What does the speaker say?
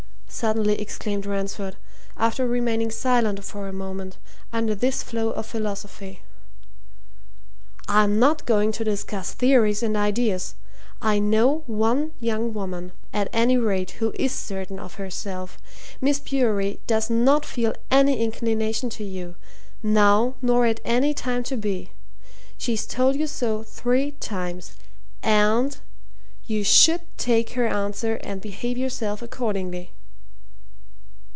suddenly exclaimed Ransford, after remaining silent for a moment under this flow of philosophy. "I'm not going to discuss theories and ideas. I know one young woman, at any rate, who is certain of herself. Miss Bewery does not feel any inclination to you now, nor at any time to be! She's told you so three times. And you should take her answer and behave yourself accordingly!"